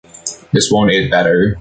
This won't it better